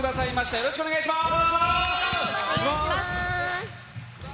よろしくお願いします。